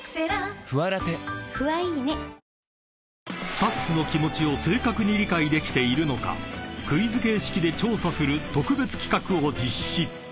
［スタッフの気持ちを正確に理解できているのかクイズ形式で調査する特別企画を実施］